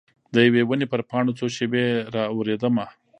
د یوي ونې پر پاڼو څو شیبې را اوریدمه